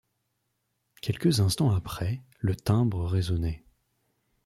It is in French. Quelques instants après, le timbre résonnait.